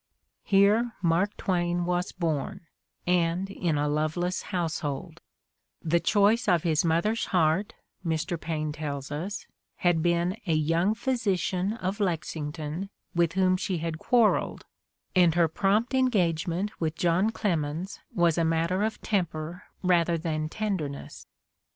'' Here Mark Twain was born, and in a loveless house hold: the choice of his mother's heart, Mr. Paine tells us, had been "a young physician of Lexington with whom she had quarreled, and her prompt engagement with John Clemens was a matter of temper rather than tenderness."